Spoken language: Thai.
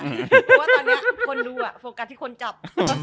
เพราะว่าตอนนี้คนดูโฟกัสที่คนจับ